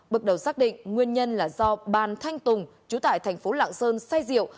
bước đầu xác định nguyên nhân là do bàn thanh tùng chú tại thành phố lạng sơn say diệu